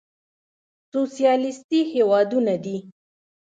سوسيالېسټي هېوادونه دي.